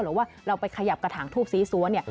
หรือว่าเราไปขยับกระถางทูบซีซั้วเนี่ย